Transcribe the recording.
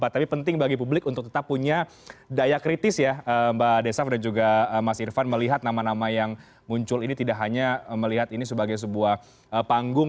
tapi penting bagi publik untuk tetap punya daya kritis ya mbak desaf dan juga mas irvan melihat nama nama yang muncul ini tidak hanya melihat ini sebagai sebuah panggung